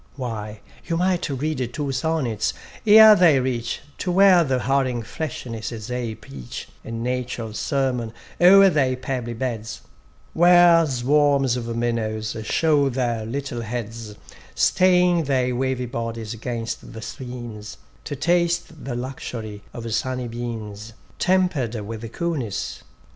Why, you might read two sonnets, ere they reach To where the hurrying freshnesses aye preach A natural sermon o'er their pebbly beds; Where swarms of minnows show their little heads, Staying their wavy bodies 'gainst the streams, To taste the luxury of sunny beams Temper'd with coolness.